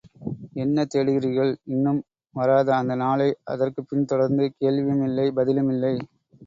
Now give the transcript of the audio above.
என்ன தேடுகிறீர்கள்? இன்னும் வராத அந்தநாளை! அதற்குப் பின் தொடர்ந்து, கேள்வியும் இல்லை, பதிலும் இல்லை!